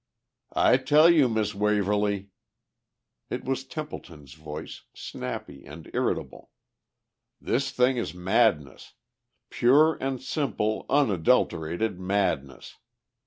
"I tell you, Miss Waverly," ... it was Templeton's voice, snappy and irritable, ... "this thing is madness! Pure and simple, unadulterated madness!